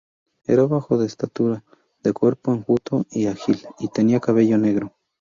Era bajo de estatura, de cuerpo enjuto y ágil, y tenía cabello negro.